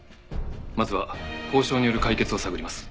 まずは交渉による解決を探ります。